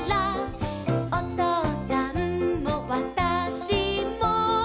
「おとうさんもわたしも」